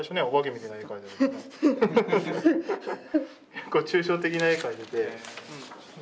結構抽象的な絵描いててこういう。